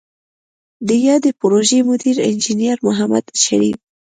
د یادې پروژې مدیر انجنیر محمد شریف